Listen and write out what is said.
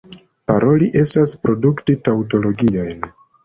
Paroli estas produkti taŭtologiojn.